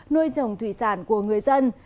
nuôi trồng thủy sản của người dân